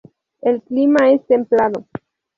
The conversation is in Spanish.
El clima es templado.